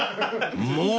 ［もう！